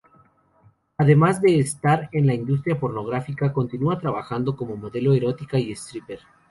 Además de estar en la industria pornográfica, continúa trabajando como modelo erótica y stripper.